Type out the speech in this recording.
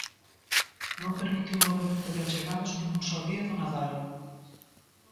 Non permitiu movemento de achegados nin un só día do Nadal.